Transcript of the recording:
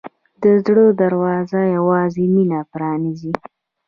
د زړه دروازه یوازې مینه پرانیزي.